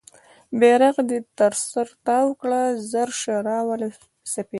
بیرغ دې تر سر تاو کړه ژر شه راوله سپیدې